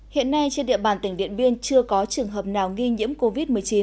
hiện nay trên địa bàn tỉnh điện biên chưa có trường hợp nào nghi nhiễm covid một mươi chín